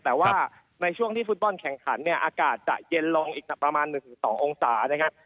แต่ว่าในช่วงที่ฟุตบอลแข่งขันเนี่ยอากาศจะเย็นลงอีกประมาณ๑๒องศานะครับ